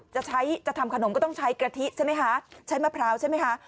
จะใช้จะทำขนมก็ต้องใช้กะทิใช่ไหมคะใช้มะพร้าวใช่ไหมคะ